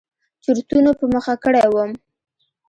چورتونو په مخه کړى وم.